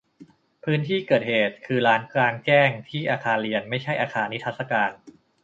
พื้นที่เกิดเหตุคือลานกลางแจ้งที่อาคารเรียนไม่ใช่อาคารนิทรรศการ